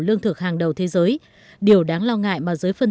lương thực hàng đầu thế giới điều đáng lo ngại mà giới phân